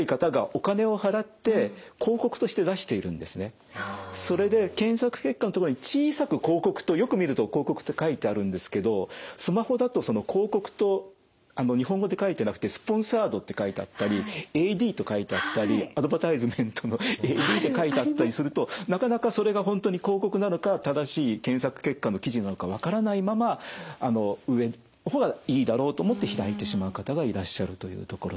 実はそのそれで検索結果のとこに小さく「広告」とよく見ると「広告」と書いてあるんですけどスマホだと「広告」と日本語で書いてなくて「Ｓｐｏｎｓｏｒｅｄ」って書いてあったり「ＡＤ」と書いてあったりアドバタイズメントの「ＡＤ」って書いてあったりするとなかなかそれが本当に広告なのか正しい検索結果の記事なのか分からないまま上の方がいいだろうと思って開いてしまう方がいらっしゃるというところです。